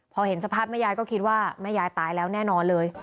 พอเห็นสภาพแม่ยายก็คิดว่าแม่ยายตายแล้วแน่นอนเลย